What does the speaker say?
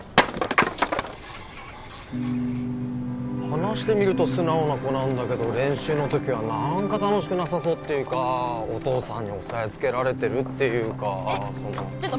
話してみると素直な子なんだけど練習の時は何か楽しくなさそうっていうかお父さんにおさえつけられてるっていうかえっちょ